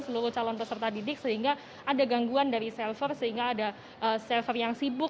seluruh calon peserta didik sehingga ada gangguan dari server sehingga ada server yang sibuk